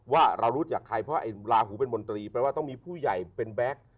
ว่าเรารู้จักใครเพราะไอ้ลาหูเป็นมนตรีแปลว่าต้องมีผู้ใหญ่เป็นแบ็ค